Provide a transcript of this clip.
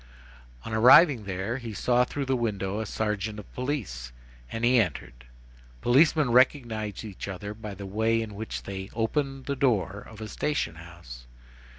On arriving there, he saw through the window a sergeant of police, and he entered. Policemen recognize each other by the very way in which they open the door of a station house.